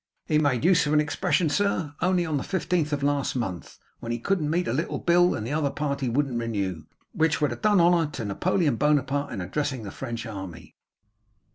He made use of an expression, sir, only on the fifteenth of last month when he couldn't meet a little bill and the other party wouldn't renew, which would have done honour to Napoleon Bonaparte in addressing the French army.